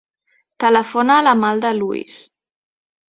Telefona a l'Amal De Luis.